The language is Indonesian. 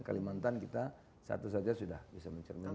kalimantan kita satu saja sudah bisa mencerminkan